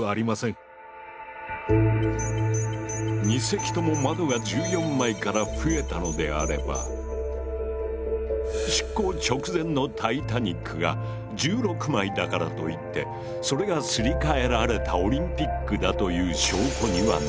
２隻とも窓が１４枚から増えたのであれば出航直前のタイタニックが１６枚だからといってそれがすり替えられたオリンピックだという証拠にはならない。